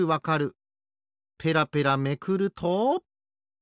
ペラペラめくると。